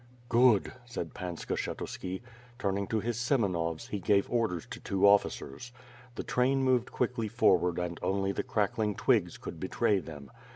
"Good," said Pan Skshetuski. Turning to his Semenovs, he gave orders to two officers. The train moved quickly for ward and only the crackling twigs could betray them.